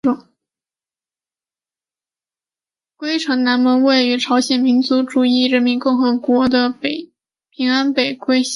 龟城南门位于朝鲜民主主义人民共和国的平安北道龟城市的龟州城。